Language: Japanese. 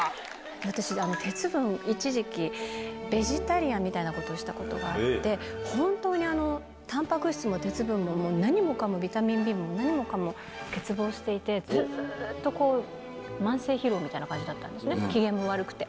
私、鉄分、一時期、ベジタリアンみたいなことをしたことがあって、本当にたんぱく質も鉄分も、何もかも、ビタミンＢも何もかも欠乏していて、ずっと慢性疲労みたいな感じだったんですね、機嫌も悪くて。